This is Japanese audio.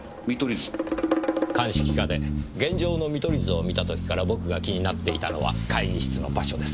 鑑識課で現場の見取り図を見た時から僕が気になっていたのは会議室の場所です。